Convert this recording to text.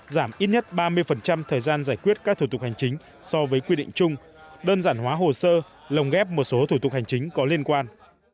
giảm ít nhất ba mươi thời gian giải quyết các thủ tục hành chính so với quy định chung đơn giản hóa hồ sơ lồng ghép một số thủ tục hành chính có liên quan